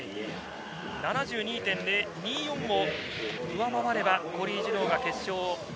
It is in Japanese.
７２．２４を上回れば、コリー・ジュノーが決勝。